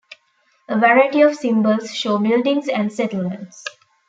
A variety of symbols show buildings and settlements.